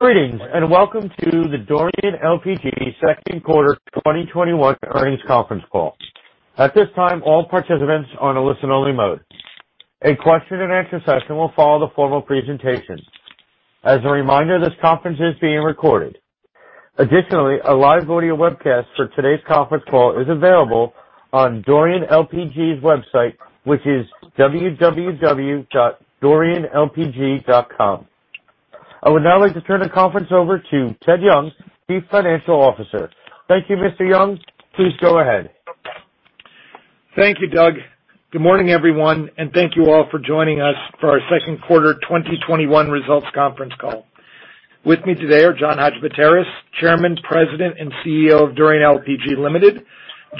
Greetings, and welcome to the Dorian LPG second quarter 2021 earnings conference call. At this time, all participants are on a listen-only mode. A question and answer session will follow the formal presentation. As a reminder, this conference is being recorded. Additionally, a live audio webcast for today's conference call is available on Dorian LPG's website, which is www.dorianlpg.com. I would now like to turn the conference over to Ted Young, Chief Financial Officer. Thank you, Mr. Young. Please go ahead. Thank you, Doug. Good morning, everyone, and thank you all for joining us for our second quarter 2021 results conference call. With me today are John Hadjipateras, Chairman, President, and Chief Executive Officer of Dorian LPG Ltd.,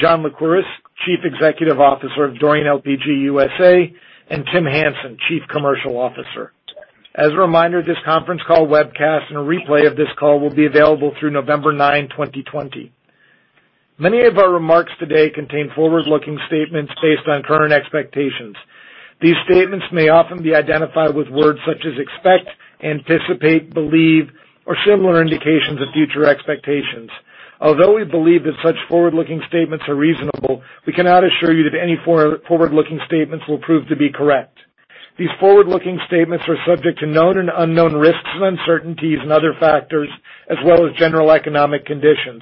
John Lycouris, Chief Executive Officer of Dorian LPG USA, and Tim Hansen, Chief Commercial Officer. As a reminder, this conference call webcast and a replay of this call will be available through November 9, 2020. Many of our remarks today contain forward-looking statements based on current expectations. These statements may often be identified with words such as "expect," "anticipate," "believe," or similar indications of future expectations. Although we believe that such forward-looking statements are reasonable, we cannot assure you that any forward-looking statements will prove to be correct. These forward-looking statements are subject to known and unknown risks and uncertainties and other factors, as well as general economic conditions.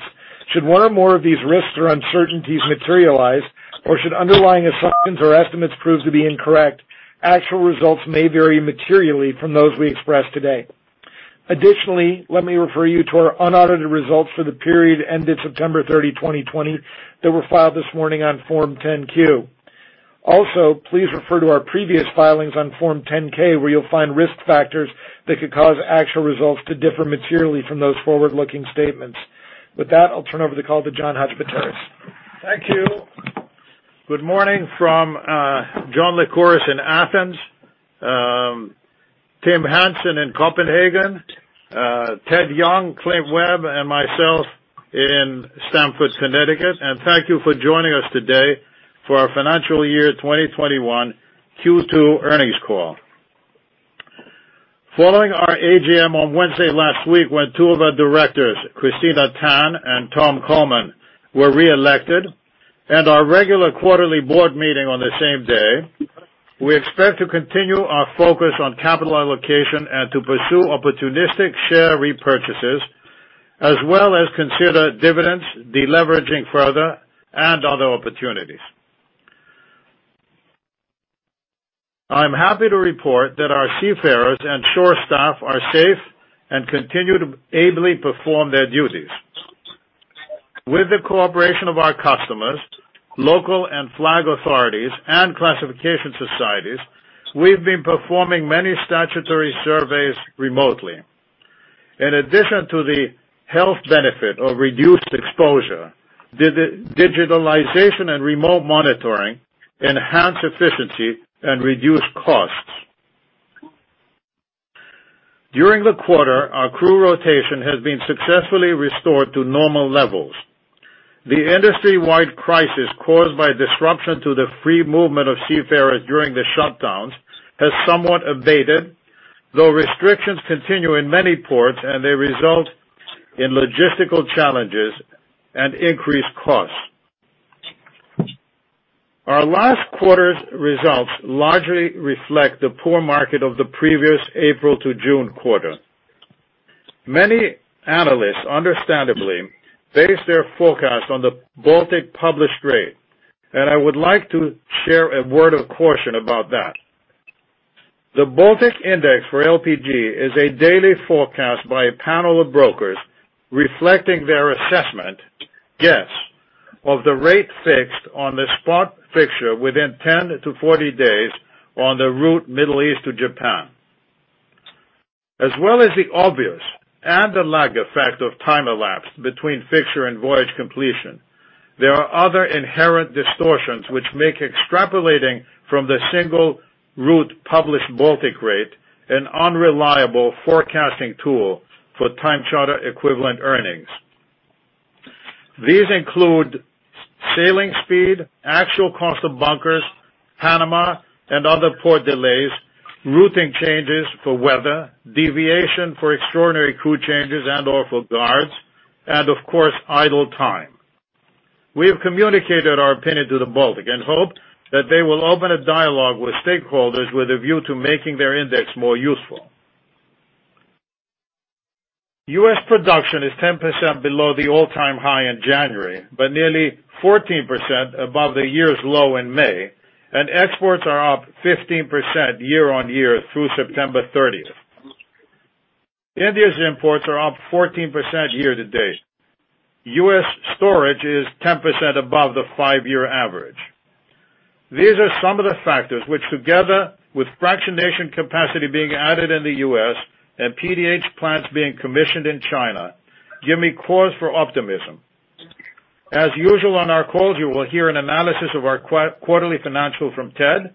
Should one or more of these risks or uncertainties materialize, or should underlying assumptions or estimates prove to be incorrect, actual results may vary materially from those we express today. Additionally, let me refer you to our unaudited results for the period ended September 30, 2020, that were filed this morning on Form 10-Q. Please refer to our previous filings on Form 10-K where you'll find risk factors that could cause actual results to differ materially from those forward-looking statements. With that, I'll turn over the call to John Hadjipateras. Thank you. Good morning from John Lycouris in Athens, Tim Hansen in Copenhagen, Ted Young, Cliff Webb, and myself in Stamford, Connecticut. Thank you for joining us today for our financial year 2021 Q2 earnings call. Following our AGM on Wednesday last week when two of our directors, Christina Tan and Tom Coleman, were reelected, and our regular quarterly board meeting on the same day, we expect to continue our focus on capital allocation and to pursue opportunistic share repurchases, as well as consider dividends, deleveraging further, and other opportunities. I'm happy to report that our seafarers and shore staff are safe and continue to ably perform their duties. With the cooperation of our customers, local and flag authorities, and classification societies, we've been performing many statutory surveys remotely. In addition to the health benefit of reduced exposure, digitalization and remote monitoring enhance efficiency and reduce costs. During the quarter, our crew rotation has been successfully restored to normal levels. The industry-wide crisis caused by disruption to the free movement of seafarers during the shutdowns has somewhat abated, though restrictions continue in many ports, and they result in logistical challenges and increased costs. Our last quarter's results largely reflect the poor market of the previous April to June quarter. Many analysts, understandably, base their forecast on the Baltic published rate, and I would like to share a word of caution about that. The Baltic index for LPG is a daily forecast by a panel of brokers reflecting their assessment guess of the rate fixed on the spot fixture within 10 to 40 days on the route Middle East to Japan. As well as the obvious and the lag effect of time elapsed between fixture and voyage completion, there are other inherent distortions which make extrapolating from the single route published Baltic rate an unreliable forecasting tool for time charter equivalent earnings. These include sailing speed, actual cost of bunkers, Panama and other port delays, routing changes for weather, deviation for extraordinary crew changes and/or for guards, and of course, idle time. We have communicated our opinion to the Baltic and hope that they will open a dialogue with stakeholders with a view to making their index more useful. U.S. production is 10% below the all-time high in January, but nearly 14% above the year's low in May, and exports are up 15% year-on-year through September 30th. India's imports are up 14% year-to-date. U.S. storage is 10% above the five-year average. These are some of the factors which together with fractionation capacity being added in the U.S. and PDH plants being commissioned in China, give me cause for optimism. As usual on our calls, you will hear an analysis of our quarterly financial from Ted,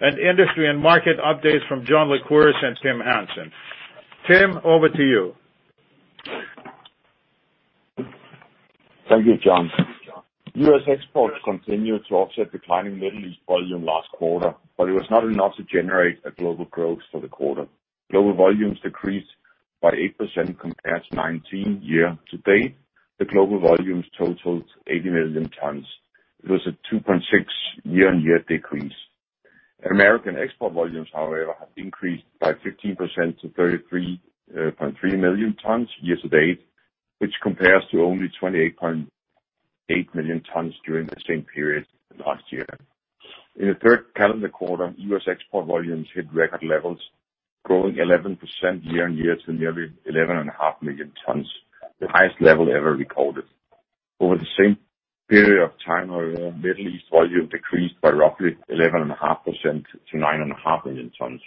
and industry and market updates from John Lycouris and Tim Hansen. Tim, over to you. Thank you, John. U.S. exports continued to offset declining Middle East volume last quarter, but it was not enough to generate a global growth for the quarter. Global volumes decreased by 8% compared to 2019 year-to-date. The global volumes totaled 80 million tons. It was a 2.6 year-on-year decrease. American export volumes, however, have increased by 15% to 33.3 million tons year-to-date, which compares to only 28.8 million tons during the same period last year. In the third calendar quarter, U.S. export volumes hit record levels, growing 11% year-on-year to nearly 11.5 million tons, the highest level ever recorded. Over the same period of time, however, Middle East volume decreased by roughly 11.5% to 9.5 million tons.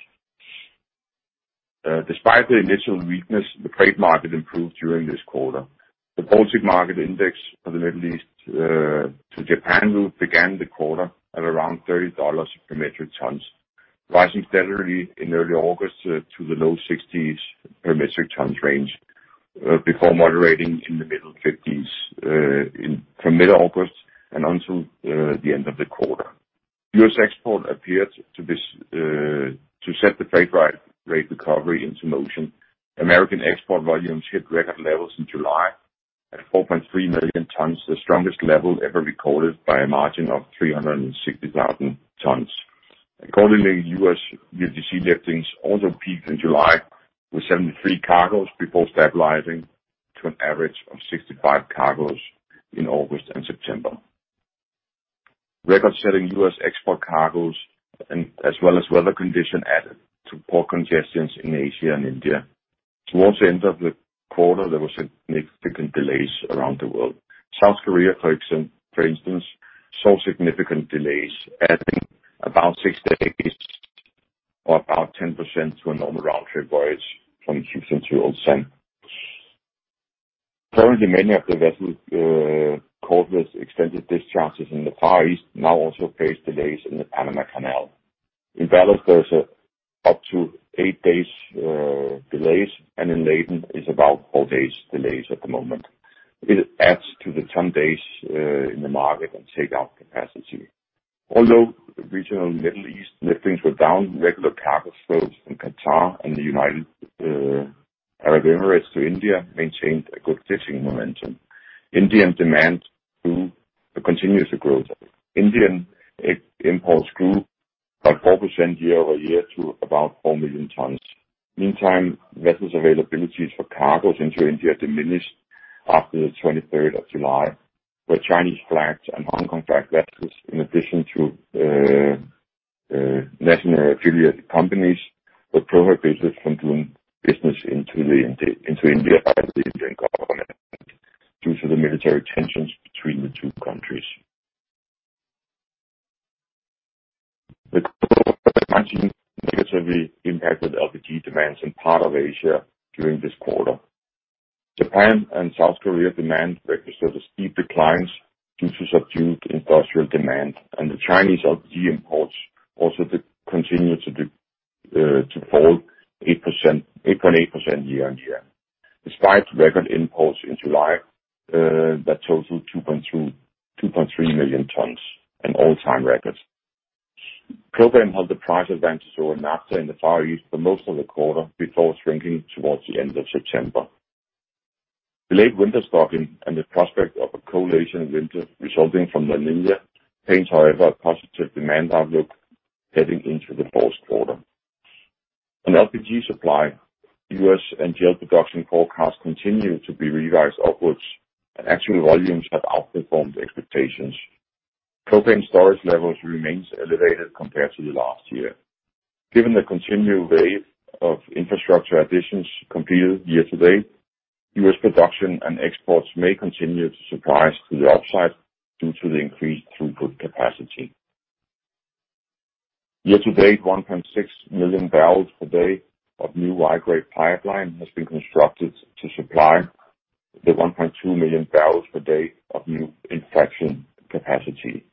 Despite the initial weakness, the freight market improved during this quarter. The Baltic Exchange Index for the Middle East to Japan route began the quarter at around $30 per metric tons, rising steadily in early August to the low 60s per metric tons range, before moderating from mid-August and until the end of the quarter. U.S. export appeared to set the freight rate recovery into motion. American export volumes hit record levels in July at 4.3 million tons, the strongest level ever recorded by a margin of 360,000 tons. Accordingly, U.S. LPG liftings also peaked in July with 73 cargoes before stabilizing to an average of 65 cargoes in August and September. Record-setting U.S. export cargoes, as well as weather condition added to port congestions in Asia and India. Towards the end of the quarter, there was significant delays around the world. South Korea, for instance, saw significant delays, adding about six days or about 10% to a normal round trip voyage from Houston to Busan. Currently, many of the vessels caught with extended discharges in the Far East now also face delays in the Panama Canal. In ballast, there's up to eight days delays, and in laden, it's about four days delays at the moment. It adds to the 10 days in the market and take out capacity. Although regional Middle East liftings were down, regular cargoes flows from Qatar and the United Arab Emirates to India maintained a good stitching momentum. Indian demand too continues to grow. Indian imports grew by 4% year-over-year to about 4 million tons. Meantime, vessels availabilities for cargoes into India diminished after the 23rd of July, where Chinese flagged and Hong Kong flagged vessels, in addition to national affiliate companies, were prohibited from doing business into India by the Indian government due to the military tensions between the two countries. The COVID-19 negatively impacted LPG demands in part of Asia during this quarter. Japan and South Korea demand registered a steep declines due to subdued industrial demand. The Chinese LPG imports also continued to fall 8.8% year-on-year. Despite record imports in July, that totaled 2.3 million tons, an all-time record. Propane held the price advantage over naphtha in the Far East for most of the quarter before shrinking towards the end of September. Delayed winter stocking and the prospect of a cold Asian winter resulting from La Niña paints, however, a positive demand outlook heading into the fourth quarter. On LPG supply, U.S. NGL production forecasts continue to be revised upwards and actual volumes have outperformed expectations. Propane storage levels remains elevated compared to the last year. Given the continued wave of infrastructure additions completed year-to-date, U.S. production and exports may continue to surprise to the upside due to the increased throughput capacity. Year-to-date, 1.6 million barrels per day of new Y-grade pipeline has been constructed to supply the 1.2 million barrels per day of new fractionation capacity.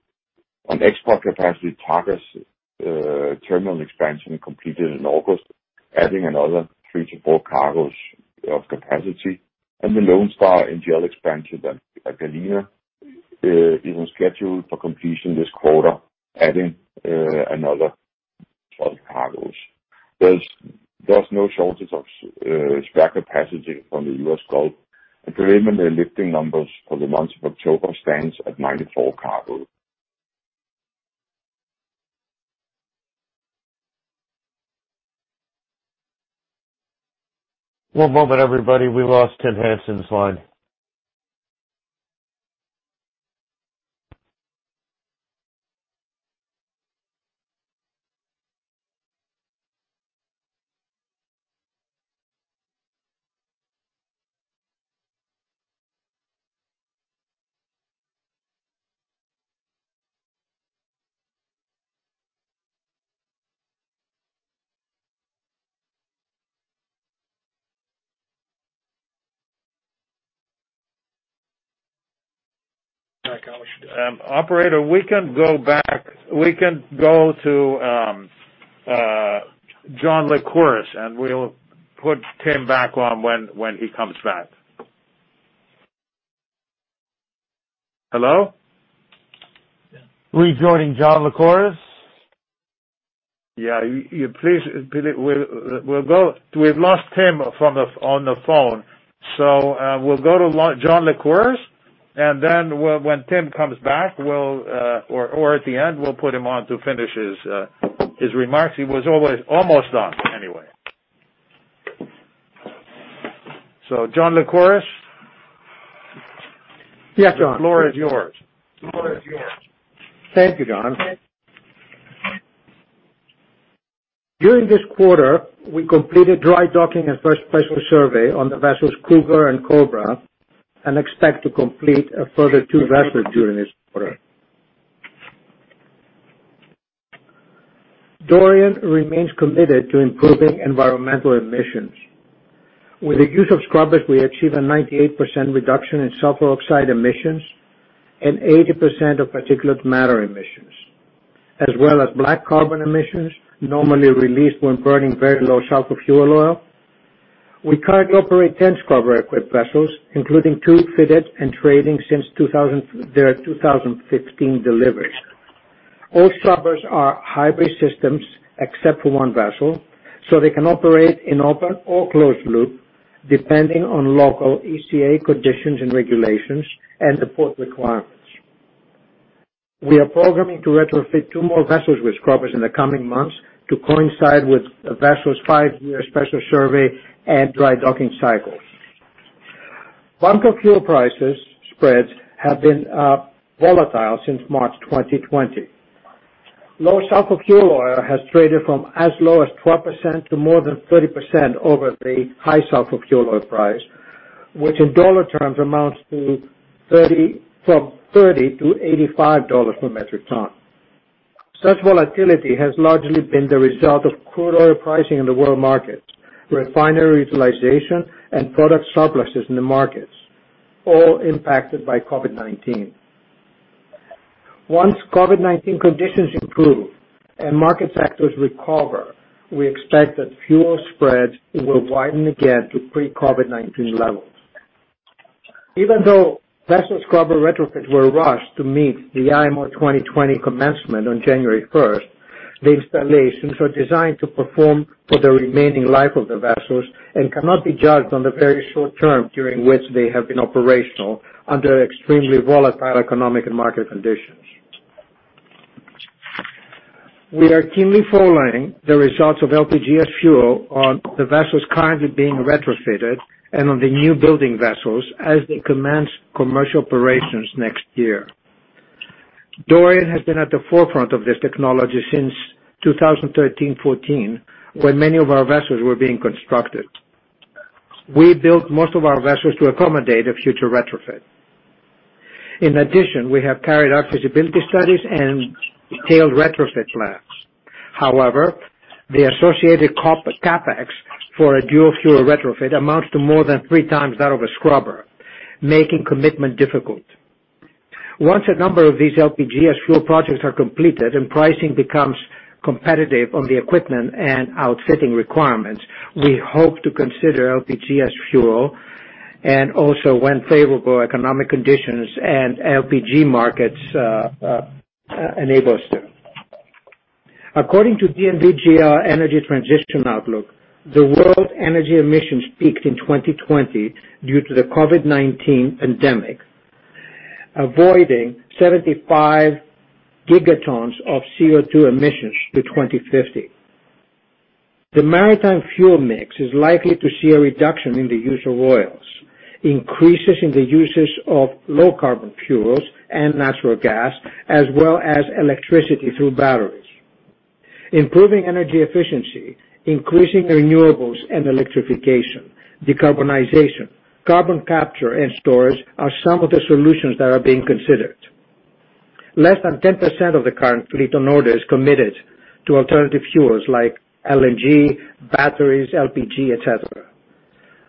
On export capacity Targa's, terminal expansion completed in August, adding another three to four cargoes of capacity, and the Lone Star NGL expansion at Galena is on schedule for completion this quarter, adding another 12 cargoes. There's no shortage of spare capacity from the U.S. Gulf, and preliminary lifting numbers for the month of October stands at 94 cargo. One moment, everybody, we lost Tim Hansen's line. Back on. Operator, we can go back. We can go to John Lycouris, and we'll put Tim back on when he comes back. Hello? Yeah. Rejoining John Lycouris. Yeah. We've lost Tim on the phone. We'll go to John Lycouris, and then when Tim comes back, or at the end, we'll put him on to finish his remarks. He was almost done anyway. John Lycouris? Yes, John. The floor is yours. Thank you, John. During this quarter, we completed dry docking and first special survey on the vessels Cougar and Cobra. Expect to complete a further two vessels during this quarter. Dorian remains committed to improving environmental emissions. With the use of scrubbers, we achieve a 98% reduction in sulfur oxide emissions and 80% of particulate matter emissions, as well as black carbon emissions normally released when burning very low sulfur fuel oil. We currently operate 10 scrubber-equipped vessels, including two fitted and trading since their 2015 deliveries. All scrubbers are hybrid systems except for one vessel. They can operate in open or closed loop, depending on local ECA conditions and regulations and the port requirements. We are programming to retrofit two more vessels with scrubbers in the coming months to coincide with the vessel's five-year special survey and dry docking cycle. Bunker fuel prices spreads have been volatile since March 2020. Low sulfur fuel oil has traded from as low as 12% to more than 30% over the high sulfur fuel oil price, which in dollar terms amounts from $30 to $85 per metric ton. Such volatility has largely been the result of crude oil pricing in the world markets, refinery utilization, and product surpluses in the markets, all impacted by COVID-19. Once COVID-19 conditions improve and market sectors recover, we expect that fuel spreads will widen again to pre-COVID-19 levels. Even though vessel scrubber retrofits were rushed to meet the IMO 2020 commencement on January 1st, the installations are designed to perform for the remaining life of the vessels and cannot be judged on the very short term during which they have been operational under extremely volatile economic and market conditions. We are keenly following the results of LPG as fuel on the vessels currently being retrofitted and on the new building vessels as they commence commercial operations next year. Dorian has been at the forefront of this technology since 2013, '14, when many of our vessels were being constructed. We built most of our vessels to accommodate a future retrofit. In addition, we have carried out feasibility studies and detailed retrofit plans. However, the associated CapEx for a dual-fuel retrofit amounts to more than three times that of a scrubber, making commitment difficult. Once a number of these LPG as fuel projects are completed and pricing becomes competitive on the equipment and outfitting requirements, we hope to consider LPG as fuel and also when favorable economic conditions and LPG markets enable us to. According to DNV GL Energy Transition Outlook, the world energy emissions peaked in 2020 due to the COVID-19 pandemic, avoiding 75 gigatons of CO2 emissions to 2050. The maritime fuel mix is likely to see a reduction in the use of oils, increases in the uses of low carbon fuels and natural gas, as well as electricity through batteries. Improving energy efficiency, increasing renewables and electrification, decarbonization, carbon capture and storage are some of the solutions that are being considered. Less than 10% of the current fleet on order is committed to alternative fuels like LNG, batteries, LPG, et cetera.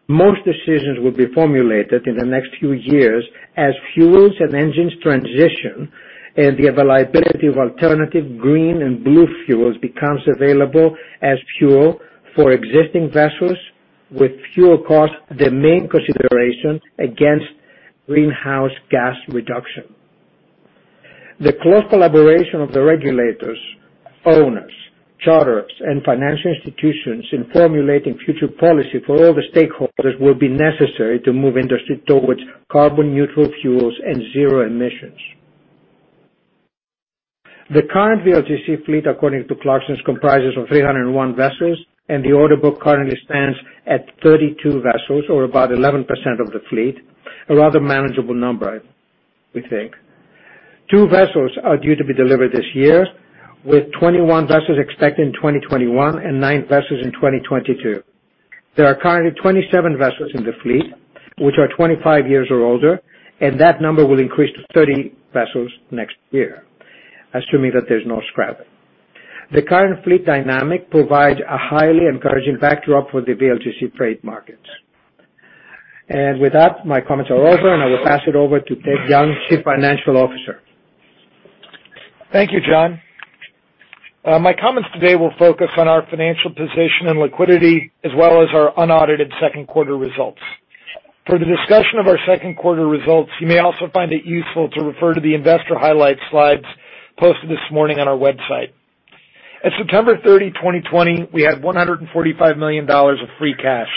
Most decisions will be formulated in the next few years as fuels and engines transition and the availability of alternative green and blue fuels becomes available as fuel for existing vessels with fuel cost the main consideration against greenhouse gas reduction. The close collaboration of the regulators, owners, charterers, and financial institutions in formulating future policy for all the stakeholders will be necessary to move industry towards carbon neutral fuels and zero emissions. The current VLGC fleet, according to Clarksons, comprises of 301 vessels, and the order book currently stands at 32 vessels, or about 11% of the fleet, a rather manageable number, we think. Two vessels are due to be delivered this year, with 21 vessels expected in 2021 and nine vessels in 2022. There are currently 27 vessels in the fleet, which are 25 years or older, and that number will increase to 30 vessels next year, assuming that there's no scrap. The current fleet dynamic provides a highly encouraging backdrop for the VLGC freight markets. With that, my comments are over, and I will pass it over to Ted Young, Chief Financial Officer. Thank you, John. My comments today will focus on our financial position and liquidity as well as our unaudited second quarter results. For the discussion of our second quarter results, you may also find it useful to refer to the investor highlight slides posted this morning on our website. At September 30, 2020, we had $145 million of free cash.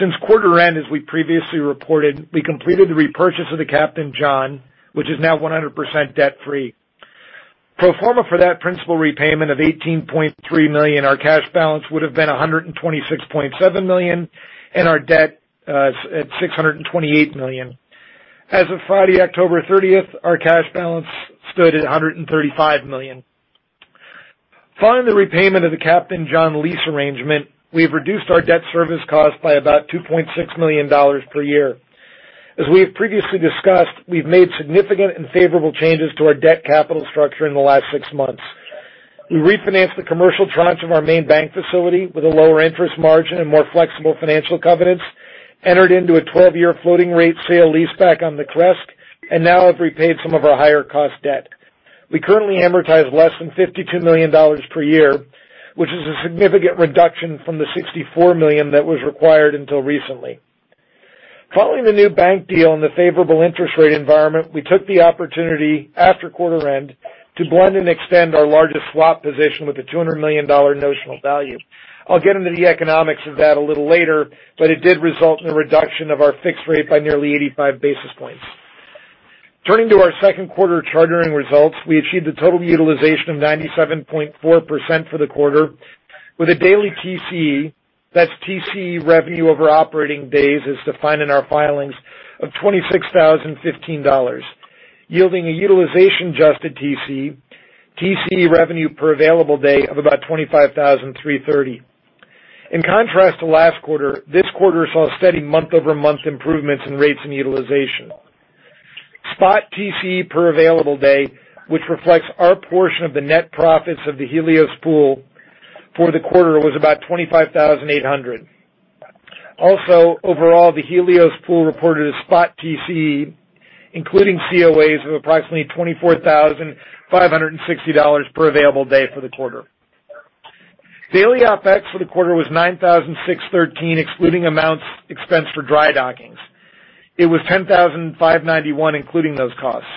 Since quarter end, as we previously reported, we completed the repurchase of the Captain John, which is now 100% debt-free. Pro forma for that principal repayment of $18.3 million, our cash balance would have been $126.7 million, and our debt at $628 million. As of Friday, October 30th, our cash balance stood at $135 million. Following the repayment of the Captain John lease arrangement, we have reduced our debt service cost by about $2.6 million per year. As we have previously discussed, we've made significant and favorable changes to our debt capital structure in the last six months. We refinanced the commercial tranche of our main bank facility with a lower interest margin and more flexible financial covenants, entered into a 12-year floating rate sale leaseback on the Crest, and now have repaid some of our higher cost debt. We currently amortize less than $52 million per year, which is a significant reduction from the $64 million that was required until recently. Following the new bank deal and the favorable interest rate environment, we took the opportunity after quarter end to blend and extend our largest swap position with a $200 million notional value. I'll get into the economics of that a little later, but it did result in a reduction of our fixed rate by nearly 85 basis points. Turning to our second quarter chartering results, we achieved a total utilization of 97.4% for the quarter with a daily TCE, that's TCE revenue over operating days as defined in our filings, of $26,015, yielding a utilization-adjusted TCE revenue per available day of about $25,330. In contrast to last quarter, this quarter saw steady month-over-month improvements in rates and utilization. Spot TCE per available day, which reflects our portion of the net profits of the Helios Pool for the quarter, was about $25,800. Overall, the Helios Pool reported a spot TCE, including COAs, of approximately $24,560 per available day for the quarter. Daily OPEX for the quarter was $9,613, excluding amounts expensed for dry dockings. It was $10,591 including those costs.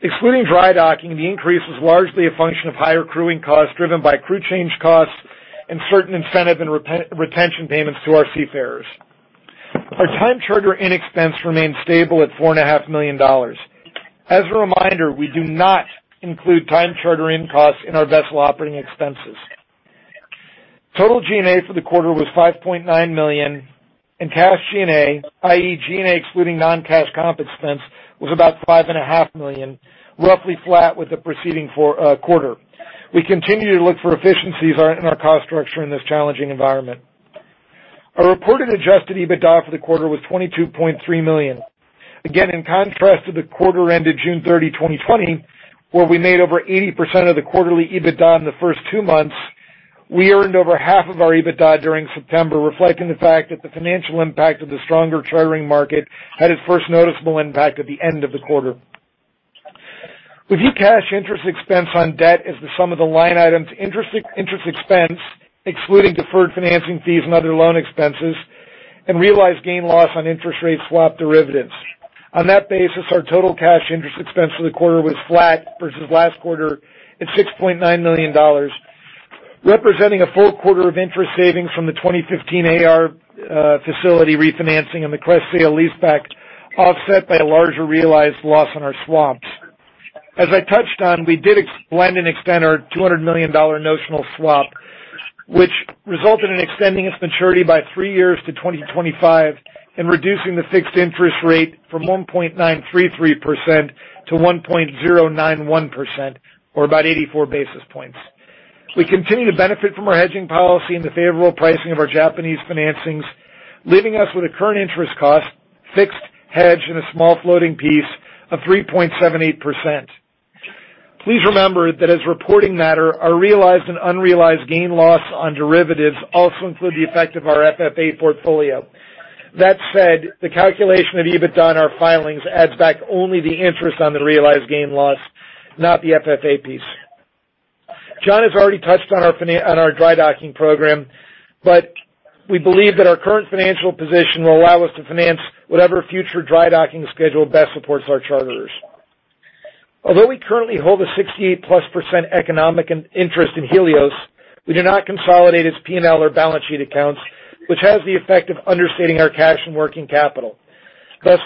Excluding dry docking, the increase was largely a function of higher crewing costs driven by crew change costs and certain incentive and retention payments to our seafarers. Our time charter in expense remained stable at $4.5 million. As a reminder, we do not include time charter in costs in our vessel operating expenses. Total G&A for the quarter was $5.9 million, and cash G&A, i.e., G&A excluding non-cash comp expense, was about $5.5 million, roughly flat with the preceding quarter. We continue to look for efficiencies in our cost structure in this challenging environment. Our reported adjusted EBITDA for the quarter was $22.3 million. In contrast to the quarter ended June 30, 2020, where we made over 80% of the quarterly EBITDA in the first two months, we earned over half of our EBITDA during September, reflecting the fact that the financial impact of the stronger chartering market had its first noticeable impact at the end of the quarter. Review cash interest expense on debt as the sum of the line items interest expense, excluding deferred financing fees and other loan expenses, and realized gain/loss on interest rate swap derivatives. On that basis, our total cash interest expense for the quarter was flat versus last quarter at $6.9 million, representing a full quarter of interest savings from the 2015 AR Facility refinancing and the Crest sale leaseback, offset by a larger realized loss on our swaps. As I touched on, we did blend and extend our $200 million notional swap, which resulted in extending its maturity by three years to 2025 and reducing the fixed interest rate from 1.933% to 1.091%, or about 84 basis points. We continue to benefit from our hedging policy and the favorable pricing of our Japanese financings, leaving us with a current interest cost fixed hedge and a small floating piece of 3.78%. Please remember that as a reporting matter, our realized and unrealized gain/loss on derivatives also include the effect of our FFA portfolio. The calculation of EBITDA in our filings adds back only the interest on the realized gain/loss, not the FFA piece. John has already touched on our dry docking program. We believe that our current financial position will allow us to finance whatever future dry docking schedule best supports our charterers. Although we currently hold a 68%+ economic interest in Helios, we do not consolidate its P&L or balance sheet accounts, which has the effect of understating our cash and working capital.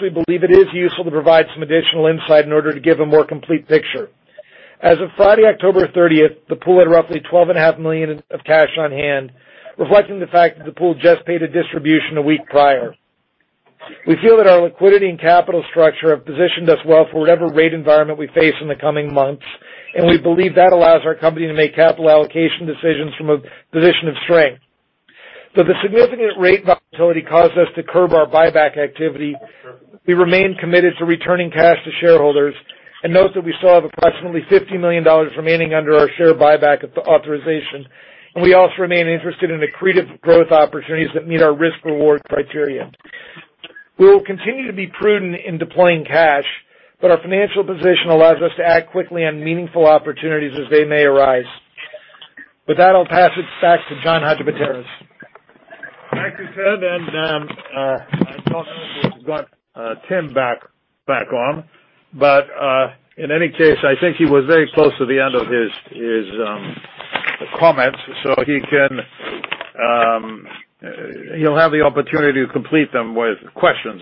We believe it is useful to provide some additional insight in order to give a more complete picture. As of Friday, October 30th, the pool had roughly $12.5 million of cash on hand, reflecting the fact that the pool just paid a distribution a week prior. We feel that our liquidity and capital structure have positioned us well for whatever rate environment we face in the coming months, and we believe that allows our company to make capital allocation decisions from a position of strength. Though the significant rate volatility caused us to curb our buyback activity, we remain committed to returning cash to shareholders, and note that we still have approximately $50 million remaining under our share buyback authorization. We also remain interested in accretive growth opportunities that meet our risk-reward criteria. We will continue to be prudent in deploying cash, but our financial position allows us to act quickly on meaningful opportunities as they may arise. With that, I'll pass it back to John Hadjipateras. Thank you, Ted, and I am told we've got Tim back on. In any case, I think he was very close to the end of his comments, so he'll have the opportunity to complete them with questions.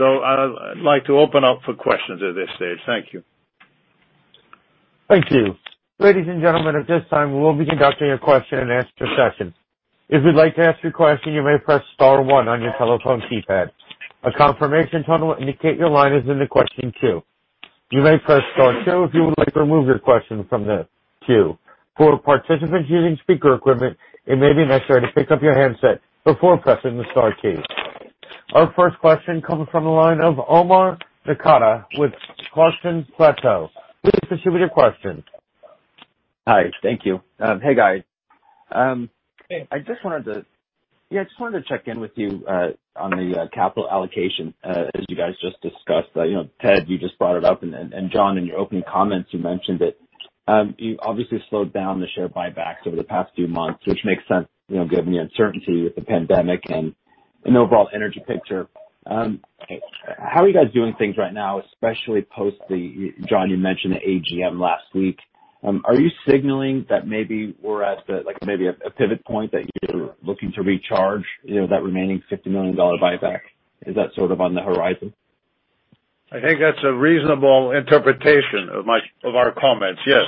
I'd like to open up for questions at this stage. Thank you. Our first question comes from the line of Omar Nokta with Clarksons Platou. Please proceed with your question. Hi. Thank you. Hey, guys. Hey. I just wanted to check in with you on the capital allocation as you guys just discussed. Ted, you just brought it up, and John, in your opening comments, you mentioned it. You obviously slowed down the share buybacks over the past few months, which makes sense, given the uncertainty with the pandemic and overall energy picture. How are you guys doing things right now, especially post the, John, you mentioned the AGM last week. Are you signaling that maybe we're at a pivot point that you're looking to recharge that remaining $50 million buyback? Is that on the horizon? I think that's a reasonable interpretation of our comments. Yes.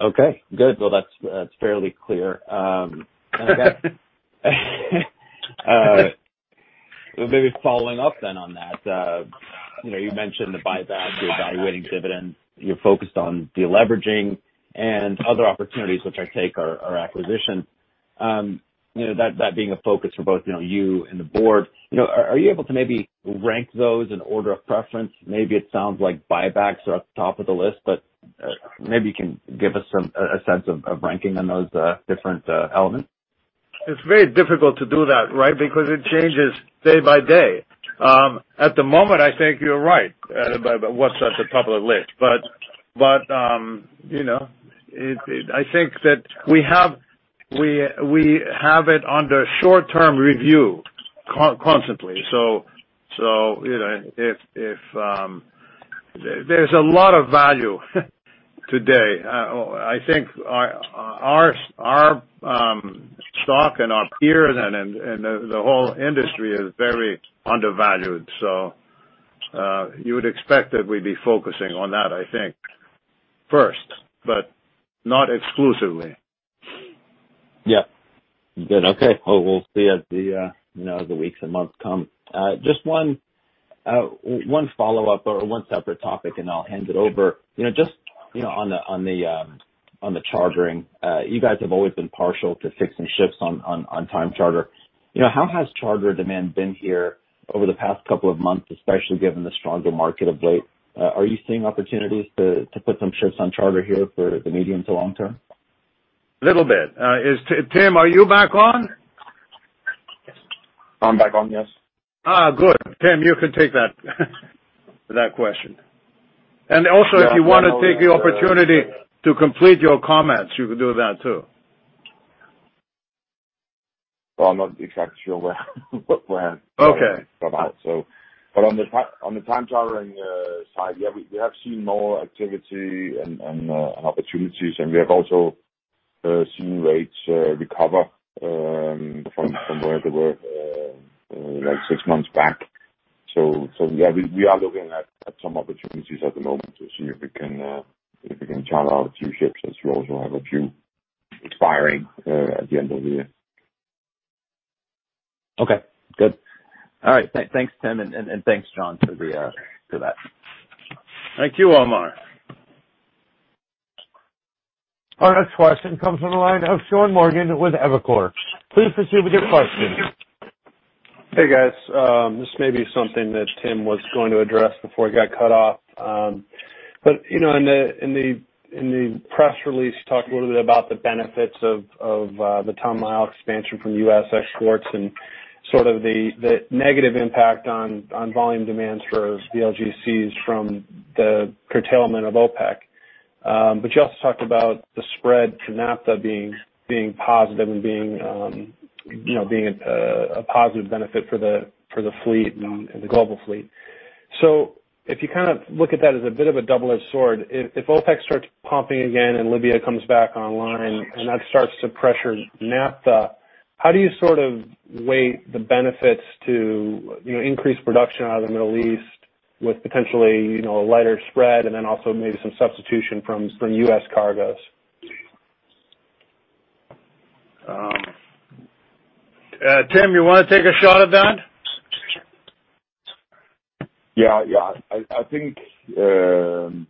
Okay, good. Well, that's fairly clear. Maybe following up then on that. You mentioned the buyback, you're evaluating dividends, you're focused on de-leveraging and other opportunities, which I take are acquisition. That being a focus for both you and the board, are you able to maybe rank those in order of preference? Maybe it sounds like buybacks are at the top of the list, maybe you can give us a sense of ranking on those different elements. It's very difficult to do that, right? Because it changes day by day. At the moment, I think you're right about what's at the top of the list. I think that we have it under short-term review constantly. There's a lot of value today. I think our stock and our peers and the whole industry is very undervalued. You would expect that we'd be focusing on that, I think, first, but not exclusively. Yeah. Good. Okay. Well, we'll see as the weeks and months come. Just one follow-up or one separate topic, and I'll hand it over. Just on the chartering. You guys have always been partial to fixing ships on time charter. How has charter demand been here over the past couple of months, especially given the stronger market of late? Are you seeing opportunities to put some ships on charter here for the medium to long term? Little bit. Tim, are you back on? I'm back on, yes. Good. Tim, you can take that question. Also, if you want to take the opportunity to complete your comments, you can do that too. Well, I'm not exactly sure where we're at. Okay about. On the time chartering side, yeah, we have seen more activity and opportunities, and we have also seen rates recover from where they were six months back. Yeah, we are looking at some opportunities at the moment to see if we can charter out a few ships as we also have a few expiring at the end of the year. Okay, good. All right. Thanks, Tim, and thanks John for that. Thank you, Omar. Our next question comes from the line of Sean Morgan with Evercore. Please proceed with your question. Hey, guys. This may be something that Tim was going to address before he got cut off. In the press release, you talked a little bit about the benefits of the ton mile expansion from U.S. exports and sort of the negative impact on volume demands for VLGCs from the curtailment of OPEC. You also talked about the spread to naphtha being positive and being a positive benefit for the fleet and the global fleet. If you kind of look at that as a bit of a double-edged sword, if OPEC starts pumping again and Libya comes back online and that starts to pressure naphtha, how do you sort of weigh the benefits to increase production out of the Middle East with potentially a lighter spread and then also maybe some substitution from U.S. cargoes? Tim, you want to take a shot at that? Yeah. I think, again,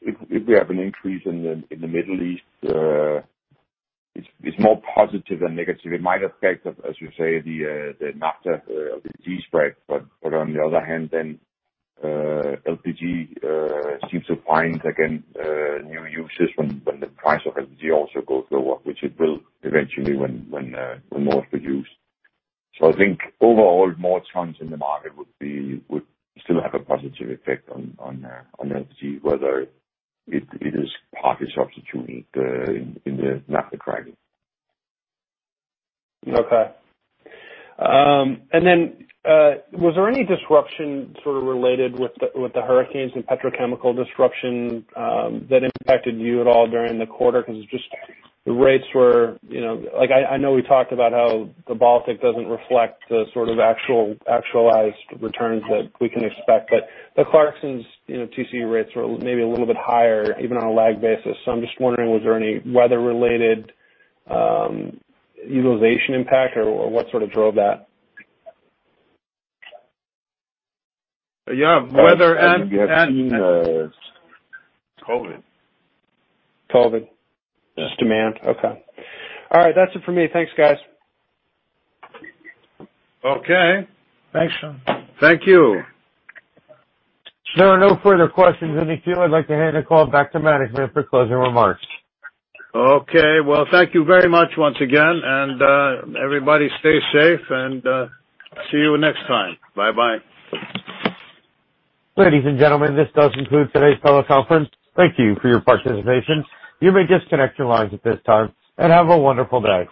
if we have an increase in the Middle East, it's more positive than negative. It might affect, as you say, the naphtha LPG spread, but on the other hand, then LPG seems to find, again, new uses when the price of LPG also goes lower, which it will eventually when more is produced. I think overall, more tons in the market would still have a positive effect on LPG, whether it is partly substituting in the naphtha cracking. Okay. Was there any disruption sort of related with the hurricanes and petrochemical disruption that impacted you at all during the quarter? I know we talked about how the Baltic doesn't reflect the sort of actualized returns that we can expect, but the Clarksons TCE rates are maybe a little bit higher, even on a lag basis. I'm just wondering, was there any weather-related utilization impact, or what sort of drove that? Yeah. As you have seen, COVID. COVID? Yes. Just demand. Okay. All right. That's it for me. Thanks, guys. Okay. Thanks, Sean. Thank you. There are no further questions in the queue. I'd like to hand the call back to management for closing remarks. Okay. Well, thank you very much once again, and everybody stay safe and see you next time. Bye-bye. Ladies and gentlemen, this does conclude today's conference call. Thank you for your participation. You may disconnect your lines at this time, and have a wonderful day.